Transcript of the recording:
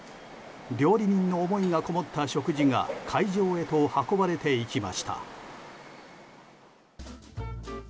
料理人の思いがこもった食事が会場へと運ばれて行きました。